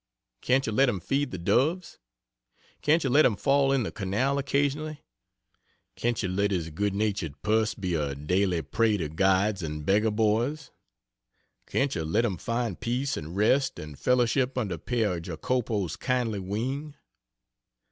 Can't you let him feed the doves? Can't you let him fall in the canal occasionally? Can't you let his good natured purse be a daily prey to guides and beggar boys? Can't you let him find peace and rest and fellowship under Pere Jacopo's kindly wing?